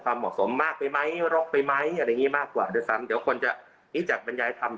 อันนี้มากกว่าเดี๋ยวสังเดี๋ยวคนจะนิจจักรบรรยายธรรม